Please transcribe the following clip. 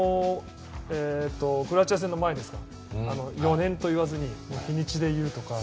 クロアチア戦の前４年といわずに日にちで言うとか。